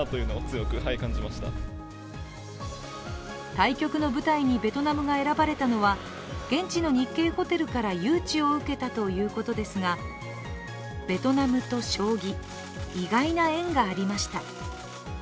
対局の舞台にベトナムが選ばれたのは、現地の日系ホテルから誘致を受けたということですがベトナムと将棋、意外な縁がありました。